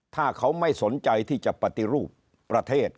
ถ้าเขาไม่สนใจที่จะปฏิรูปประเทศ